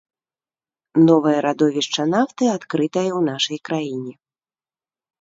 Новае радовішча нафты адкрытае ў нашай краіне.